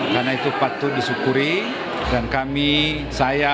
karena itu patut disyukuri dan kami saya